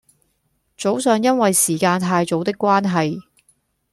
早上因為時間太早的關係